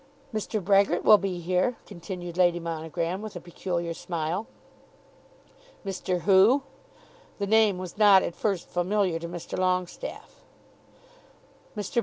"Mr. Brehgert will be here," continued Lady Monogram with a peculiar smile. "Mr. who?" The name was not at first familiar to Mr. Longestaffe. "Mr.